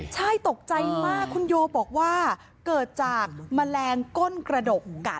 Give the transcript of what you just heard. ใช่ตกใจมากคุณโยบอกว่าเกิดจากแมลงก้นกระดกกัด